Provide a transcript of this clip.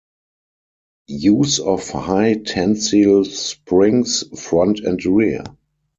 Use of high tensile springs front and rear.